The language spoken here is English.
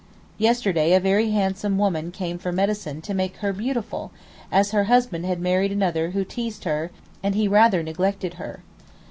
Yesterday a very handsome woman came for medicine to make her beautiful, as her husband had married another who teazed her, and he rather neglected her.